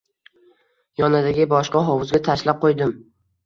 Yonidagi boshqa hovuzga tashlab qoʻydim.